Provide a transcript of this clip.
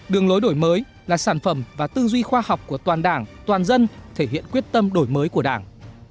đường lối đổi mới là sản phẩm và tư duy khoa học của toàn đảng toàn dân thể hiện quyết tâm đổi mới của đảng